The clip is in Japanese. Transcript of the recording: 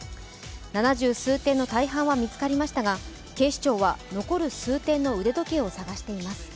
七十数点の大半は見つかりましたが警視庁は残る数点の腕時計を捜しています。